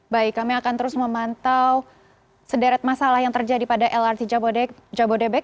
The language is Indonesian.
baik kami akan terus memantau sederet masalah yang terjadi pada lrt jabodebek